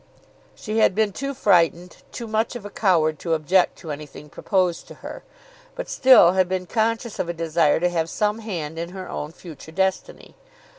She had been too frightened, too much of a coward to object to anything proposed to her, but still had been conscious of a desire to have some hand in her own future destiny.